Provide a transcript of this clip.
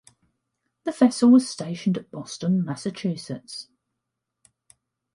The vessel was stationed at Boston, Massachusetts.